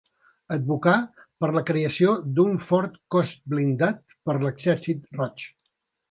Advocà per la creació d'un fort cos blindat per l'Exèrcit Roig.